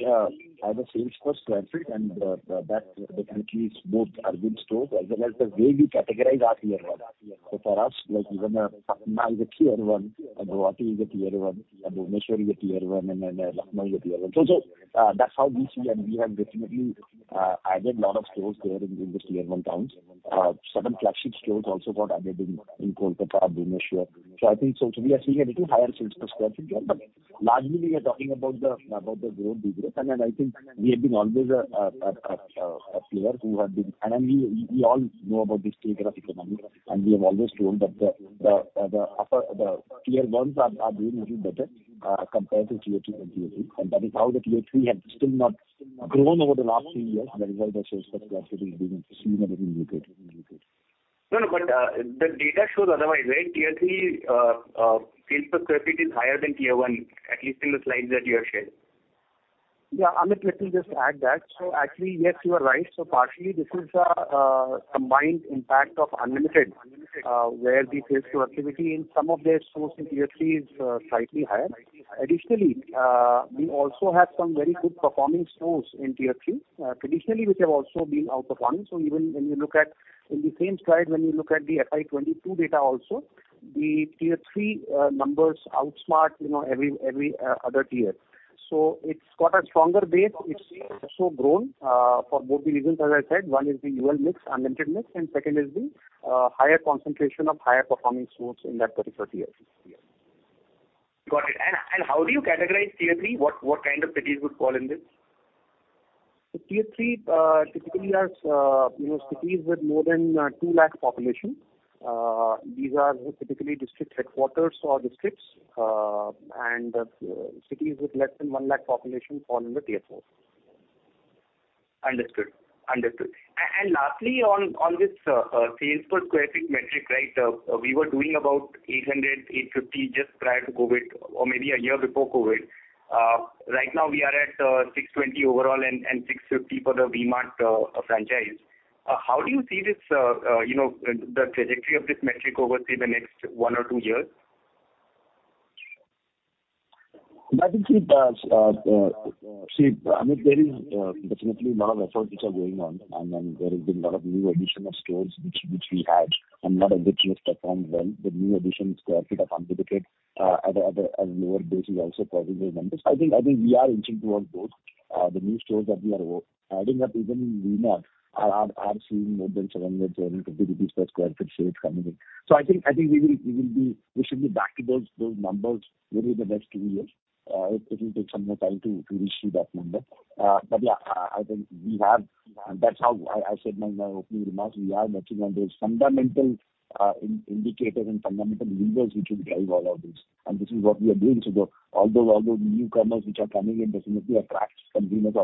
as a sales per sq ft, that definitely is both Arvind store as well as the way we categorize our Tier 1. For us, like even Patna is a Tier 1, Guwahati is a Tier 1, Bhubaneswar is a Tier 1, Lucknow is a Tier 1. That's how we see, we have definitely added a lot of stores there in the Tier 1 towns. Certain flagship stores also got added in Kolkata or Bhubaneswar. I think so, we are seeing a little higher sales per s quare feet there. Largely we are talking about the growth, I think we have been always a player who had been... We all know about the state of economy, and we have always told that the Tier 1s are doing a little better compared to Tier 2 and Tier 3. That is how the Tier 3 have still not grown over the last few years. That is why the sales per square feet has been seen a little muted. The data shows otherwise, right? Tier 3 sales per square feet is higher than Tier 1, at least in the slides that you have shared. Yeah. Amit, let me just add that. Actually, yes, you are right. Partially this is combined impact of Unlimited, where the sales productivity in some of their stores in Tier 3 is slightly higher. Additionally, we also have some very good performing stores in Tier 3, traditionally which have also been out of one. Even when you look at, in the same slide, when you look at the FY 2022 data also, the Tier 3 numbers outsmart, you know, every other tier. It's got a stronger base. It's also grown for both the reasons, as I said, one is the UL mix, Unlimited mix, and second is the higher concentration of higher performing stores in that particular tier. Got it. How do you categorize Tier 3? What, what kind of cities would fall in this? Tier 3 typically has, you know, cities with more than 2 lakh population. These are typically district headquarters or districts, cities with less than 1 lakh population fall under Tier 4. Understood. Understood. Lastly on this sales per square feet metric, right, we were doing about 800, 850 just prior to COVID or maybe a year before COVID. Right now we are at 620 overall and 650 for the V-Mart franchise. How do you see this, you know, the trajectory of this metric over, say, the next one or two years? I think it, see, Amit, there is definitely a lot of efforts which are going on. There has been a lot of new addition of stores which we had and lot of which we have performed well. The new addition square feet of Unlimited, at a lower base is also causing those numbers. I think we are inching towards both, the new stores that we are adding up even in V-Mart are seeing more than INR 700, INR 750 per square feet sales coming in. I think we will be back to those numbers maybe in the next two years. It will take some more time to reach to that number. But yeah, I think we have, that's how I said my opening remarks. We are matching on those fundamental indicators and fundamental levers which will drive all of this, and this is what we are doing. All those newcomers which are coming in definitely attracts consumers'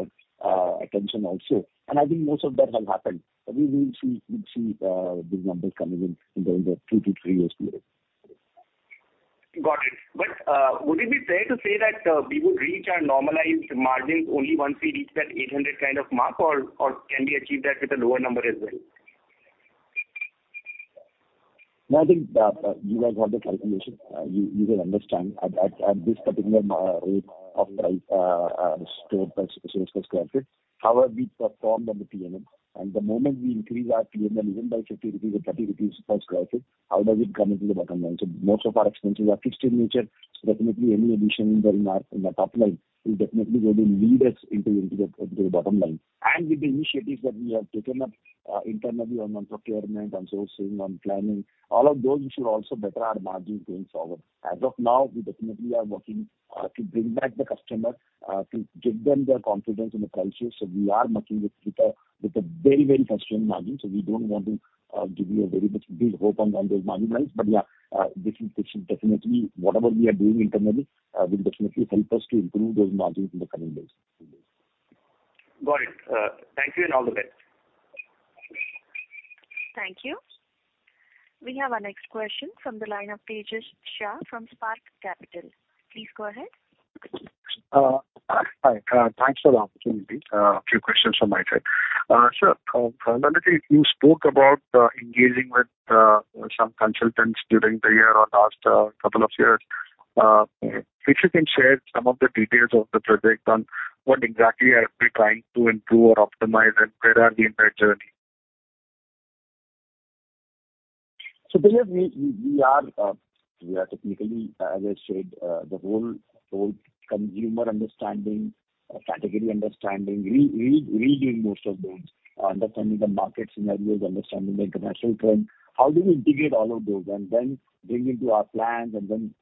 attention also. I think most of that has happened. We will see those numbers coming in in the next two to three years period. Got it. Would it be fair to say that we would reach our normalized margins only once we reach that 800 kind of mark or can we achieve that with a lower number as well? No, I think, you guys got the calculation. You, you will understand at this particular rate of store per sales per square feet, how have we performed on the PMN. The moment we increase our PMN even by 50 rupees or 30 rupees per square feet, how does it come into the bottom line? Most of our expenses are fixed in nature. Definitely any addition in the, in our, in the top line will definitely going to lead us into the bottom line. With the initiatives that we have taken up internally on procurement, on sourcing, on planning, all of those should also better our margins going forward. As of now, we definitely are working to bring back the customer to give them their confidence in the prices. We are working with a very, very constrained margin. We don't want to give you a very much big hope on those margin lines. Yeah, this will, this should definitely, whatever we are doing internally, will definitely help us to improve those margins in the coming days. Got it. Thank you and all the best. Thank you. We have our next question from the line of Tejas Shah from Spark Capital. Please go ahead. Hi. Thanks for the opportunity. A few questions from my side. Sir, fundamentally, you spoke about engaging with some consultants during the year or last couple of years. If you can share some of the details of the project and what exactly are we trying to improve or optimize, and where are we in that journey? Because we are technically, as I said, the whole consumer understanding, category understanding, rereading most of those, understanding the market scenarios, understanding the international trends. How do we integrate all of those and then bring into our plans and then,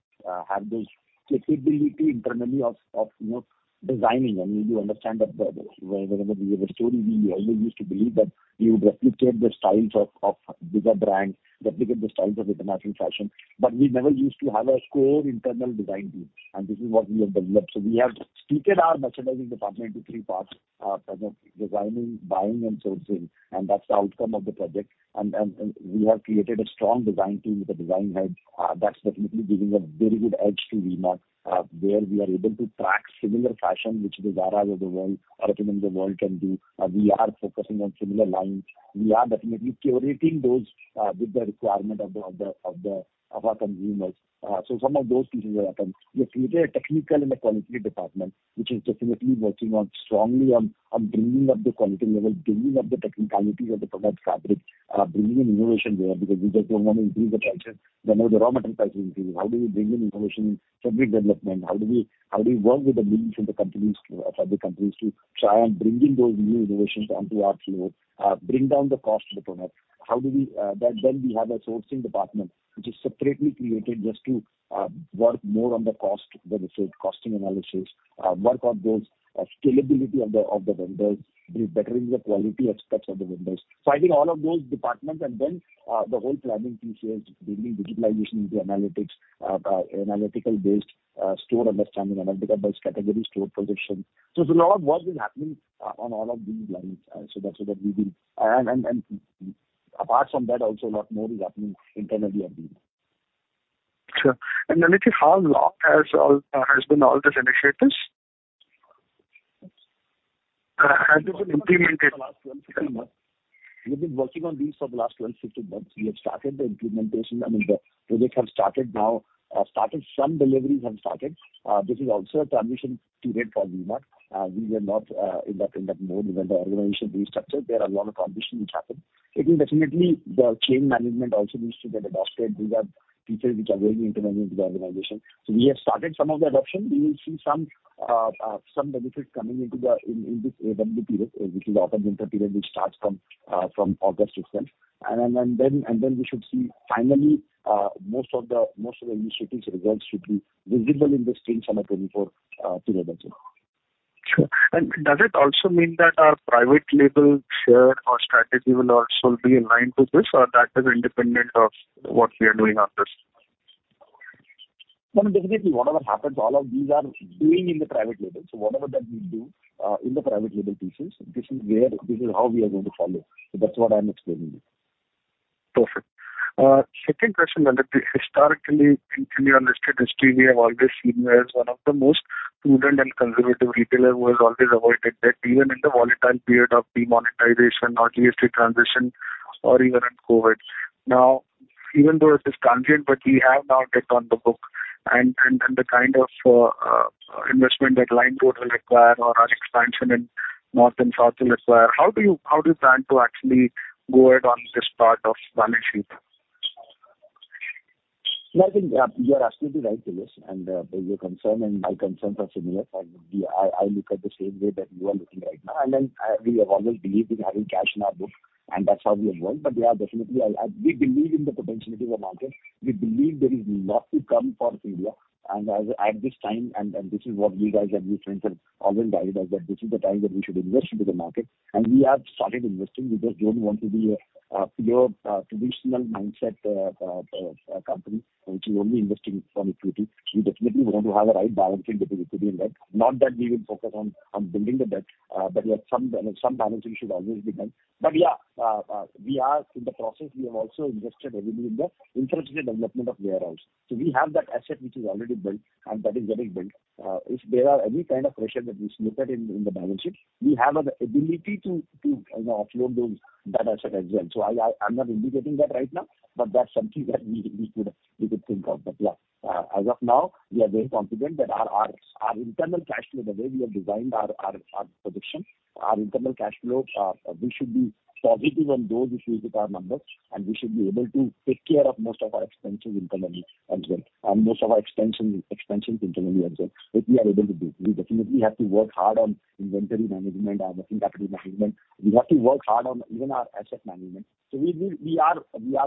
have those capability internally of, you know, designing? I mean, you understand that the when the story we always used to believe that we would replicate the styles of bigger brands, replicate the styles of international fashion, but we never used to have a core internal design team, and this is what we have developed. We have split our merchandising department into three parts, kind of designing, buying, and sourcing, and that's the outcome of the project. We have created a strong design team with a design head, that's definitely giving a very good edge to V-Mart, where we are able to track similar fashion which the Zaras of the world, H&Ms of the world can do. We are focusing on similar lines. We are definitely curating those with the requirement of our consumers. Some of those pieces have come. We have created a technical and a quality department which is definitely working on strongly on bringing up the quality level, bringing up the technicalities of the product fabric, bringing in innovation there because we just don't wanna increase the prices. We know the raw material prices increase. How do we bring in innovation in fabric development? How do we work with the mills and the companies, fabric companies to try on bringing those new innovations onto our floor, bring down the cost of the product? How do we— Then we have a sourcing department which is separately created just to work more on the cost, whether it's costing analysis, work on those scalability of the vendors, bettering the quality aspects of the vendors. I think all of those departments and then, the whole planning piece is bringing digitalization into analytics, analytical-based store understanding, analytical-based category store position. It's a lot of work is happening on all of these lines. That's what we will— Apart from that also, lot more is happening internally on these. Sure. Lalit, how long has been all these initiatives? Has this been implemented? We've been working on these for the last 12, 16 months. We have started the implementation— I mean, the projects have started now. Some deliveries have started. This is also a transition period for V-Mart Retail. We were not in that kind of mode when the organization restructured. There are a lot of transition which happened. I think definitely the chain management also needs to get adopted. These are pieces which are very intermittent to the organization. We have started some of the adoption. We will see some benefits coming into the, in this AW period, which is the autumn-winter period, which starts from August 6th month. We should see finally most of the initiatives results should be visible in this Q4 period as well. Sure. Does it also mean that our private label share or strategy will also be in line with this or that is independent of what we are doing on this? Definitely whatever happens, all of these are doing in the private label. Whatever that we do in the private label pieces, this is how we are going to follow. That's what I'm explaining you. Perfect. Second question, Lalit. Historically, in your listed history, we have always seen you as one of the most prudent and conservative retailer who has always avoided debt even in the volatile period of demonetization or GST transition or even in COVID. Now, even though it is transient, we have now debt on the book and the kind of investment that LimeRoad will require or our expansion in north and south will require. How do you plan to actually go ahead on this part of balance sheet? I think you are absolutely right, Tejas, your concern and my concerns are similar. I look at the same way that you are looking right now. We have always believed in having cash in our book, and that's how we have grown. Definitely we believe in the potentiality of the market. We believe there is lot to come for India. At this time, and this is what you guys and your friends have always guided us, that this is the time that we should invest into the market, and we have started investing. We just don't want to be a pure traditional mindset company which is only investing from equity. We definitely want to have a right balancing between equity and debt. Not that we will focus on building the debt, but, yeah, some, you know, some balancing should always be done. Yeah, we are in the process. We have also invested heavily in the infrastructure development of warehouse. We have that asset which is already built and that is getting built. If there are any kind of pressure that we look at in the balance sheet, we have an ability to, you know, offload those, that asset as well. I'm not indicating that right now, but that's something that we could think of. Yeah, as of now, we are very confident that our internal cash flow, the way we have designed our positions, our internal cash flows are... We should be positive on those issues with our numbers, and we should be able to take care of most of our expenses internally as well, and most of our expansions internally as well. We are able to do. We definitely have to work hard on inventory management, working capital management. We have to work hard on even our asset management. We are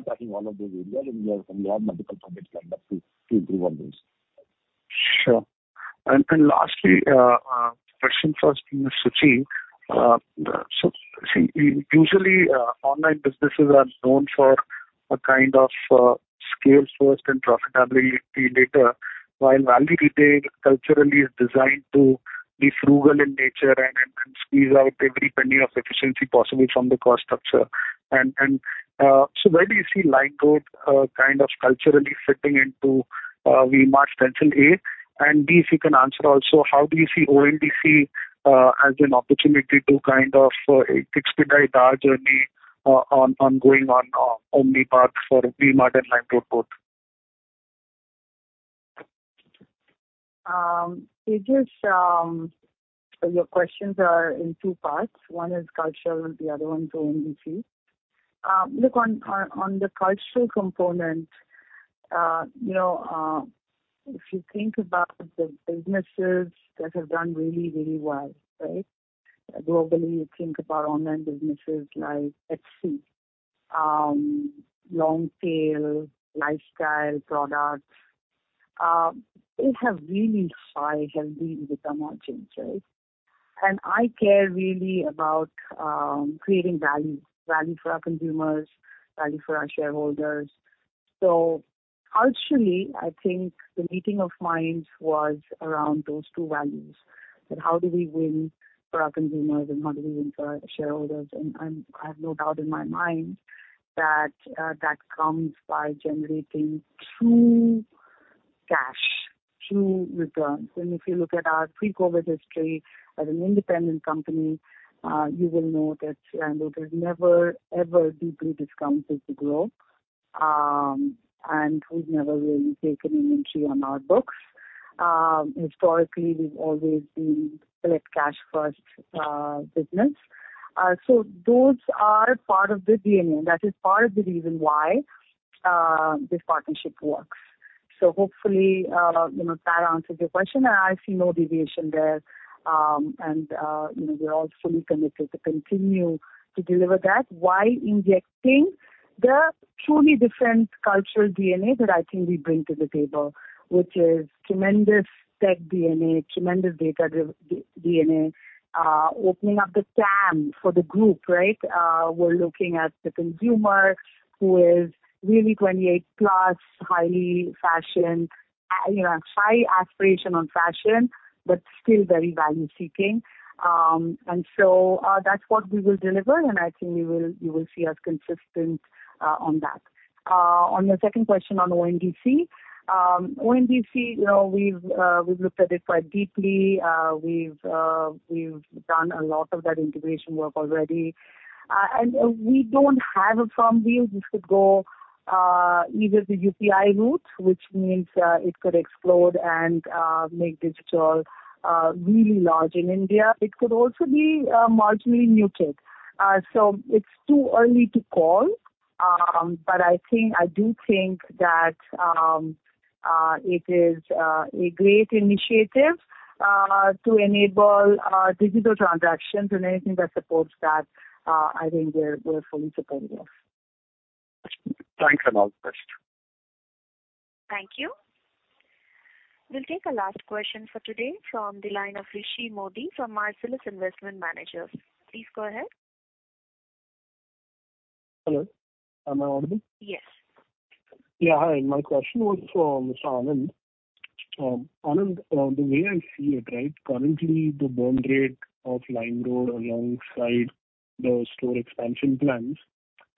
tackling all of those areas, and we have multiple projects lined up to improve on those. Sure. Lastly, question for Ms. Suchi. So, usually, online businesses are known for a kind of scale first and profitability later, while value retail culturally is designed to be frugal in nature and squeeze out every penny of efficiency possible from the cost structure. Where do you see LimeRoad kind of culturally fitting into V-Mart stencil, A? B, if you can answer also, how do you see ONDC as an opportunity to kind of expedite our journey on going on omni path for V-Mart and LimeRoad both? Tejas, your questions are in two parts. One is cultural, the other one's ONDC. Look on the cultural component, you know, if you think about the businesses that have done really, really well, right? Globally, you think about online businesses like Etsy, long-tail lifestyle products, they have really high, have really become our changes. I care really about creating value for our consumers, value for our shareholders. Culturally, I think the meeting of minds was around those two values. That how do we win for our consumers and how do we win for our shareholders? I have no doubt in my mind that that comes by generating true cash, true returns. If you look at our pre-COVID history as an independent company, you will know that, and it has never, ever deeply discounted to grow. We've never really taken inventory on our books. Historically, we've always been collect cash first business. Those are part of the DNA. That is part of the reason why this partnership works. Hopefully, you know, that answers your question, and I see no deviation there. You know, we're all fully committed to continue to deliver that while injecting the truly different cultural DNA that I think we bring to the table, which is tremendous tech DNA, tremendous data-driven D-DNA, opening up the TAM for the group, right? We're looking at the consumer who is really 28 plus, highly fashion, you know, high aspiration on fashion, but still very value-seeking. That's what we will deliver, and I think you will see us consistent on that. On the second question on ONDC. ONDC, you know, we've looked at it quite deeply. We've done a lot of that integration work already. We don't have a firm view. This could go either the UPI route, which means it could explode and make digital really large in India. It could also be marginally muted. It's too early to call. I do think that it is a great initiative to enable digital transactions and anything that supports that, I think we're fully supportive of. Thanks, and all the best. Thank you. We'll take a last question for today from the line of Rishi Mody from Marcellus Investment Managers. Please go ahead. Hello, am I audible? Yes. Yeah, hi. My question was for Mr. Anand. Anand, the way I see it, right, currently the burn rate of LimeRoad alongside the store expansion plans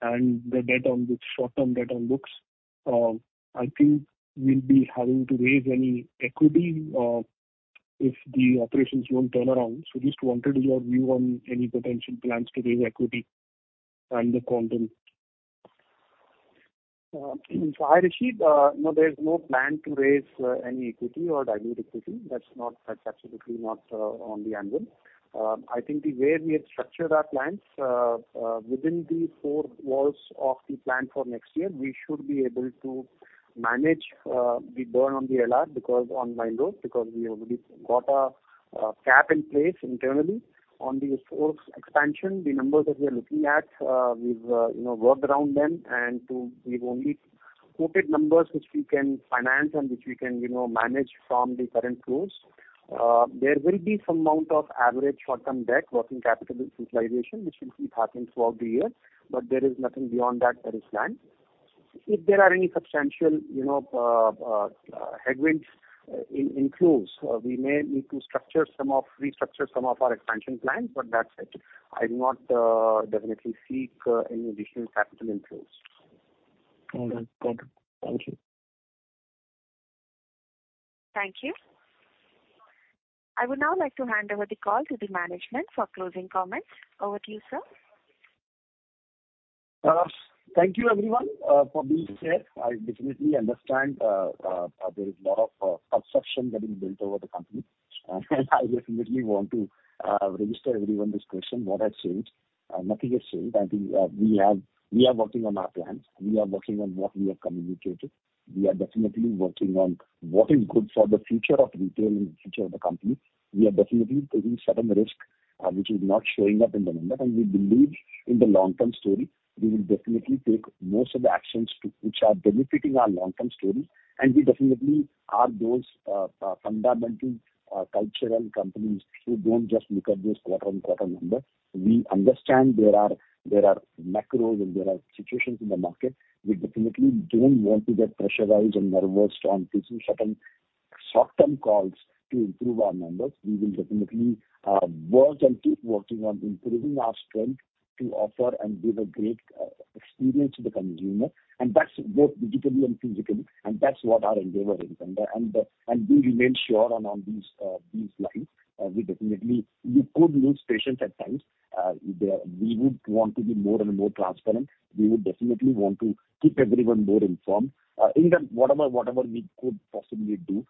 and the short-term debt on books, I think we'll be having to raise any equity if the operations won't turn around. Just wanted your view on any potential plans to raise equity and the [quantum]. Hi, Rishi. No, there's no plan to raise any equity or dilute equity. That's absolutely not on the anvil. I think the way we have structured our plans within the four walls of the plan for next year, we should be able to manage the burn on the LimeRoad because we have already got a cap in place internally. On the stores expansion, the numbers that we are looking at, we've, you know, worked around them. We've only quoted numbers which we can finance and which we can, you know, manage from the current flows. There will be some amount of average short-term debt working capital centralization, which we'll keep happening throughout the year, there is nothing beyond that that is planned. There are any substantial, you know, headwinds in flows, we may need to restructure some of our expansion plans. That's it. I do not definitely seek any additional capital in flows. All right. Got it. Thank you. Thank you. I would now like to hand over the call to the management for closing comments. Over to you, sir. Thank you everyone for being here. I definitely understand there is a lot of perception getting built over the company, and I definitely want to register everyone this question, what has changed? Nothing has changed. I think we are working on our plans. We are working on what we have communicated. We are definitely working on what is good for the future of retail and the future of the company. We are definitely taking certain risk which is not showing up in the number, and we believe in the long-term story. We will definitely take most of the actions which are benefiting our long-term story, and we definitely are those fundamental cultural companies who don't just look at this quarter-on-quarter number. We understand there are macros and there are situations in the market. We definitely don't want to get pressurized and nervous on taking certain short-term calls to improve our numbers. We will definitely work and keep working on improving our strength to offer and give a great experience to the consumer, and that's both digitally and physically, and that's what our endeavor is. We remain sure on these lines. We definitely. We could lose patience at times. We would want to be more and more transparent. We would definitely want to keep everyone more informed in the whatever we could possibly do.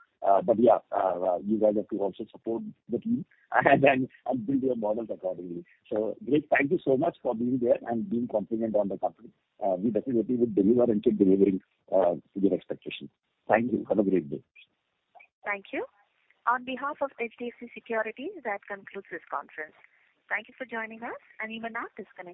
Yeah, you guys have to also support the team and build your models accordingly. Great. Thank you so much for being there and being confident on the company. We definitely will deliver and keep delivering, to your expectations. Thank you. Have a great day. Thank you. On behalf of HDFC Securities, that concludes this conference. Thank you for joining us, and you may now disconnect.